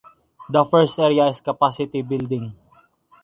The first area is capacity building.